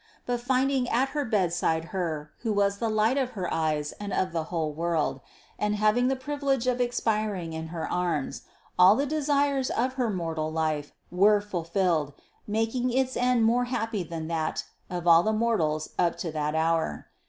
But finding at her bedside Her, who was the light of her eyes and of the whole world, and having the privilege of expiring in her arms, all the desires of her mortal life were fulfilled, making its end more happy than that of all the mortals up to that hour.